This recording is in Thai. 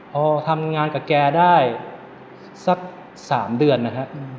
พอทำงานกับแกได้สัก๓เดือนนะฮะ